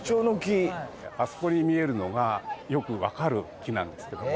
あそこに見えるのがよくわかる木なんですけども。